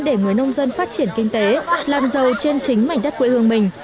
để người nông dân phát triển kinh tế làm giàu trên chính mảnh đất quê hương mình